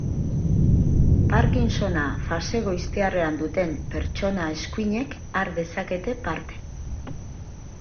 Parkinsona fase goiztiarrean duten pertsona eskuinek har dezakete parte.